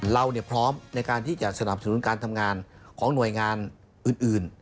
เราพร้อมในการที่จะสนับสนุนการทำงานของหน่วยงานอื่น